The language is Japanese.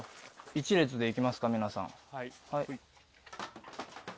１列でいきますか皆さん。